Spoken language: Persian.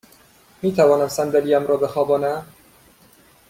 می توانم صندلی ام را بخوابانم؟